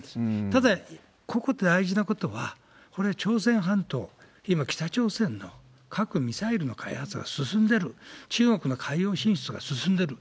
ただ、ここ、大事なことは、これは朝鮮半島、今、北朝鮮の核・ミサイルの開発が進んでる、中国の海洋進出が進んでる。